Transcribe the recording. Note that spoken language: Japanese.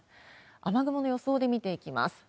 雨雲の予想で見ていきます。